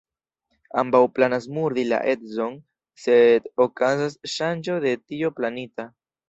Ambaŭ planas murdi la edzon, sed okazas ŝanĝo de tio planita.